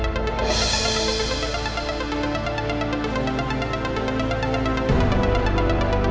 pangeran mengalami kelumpuhan pada kakinya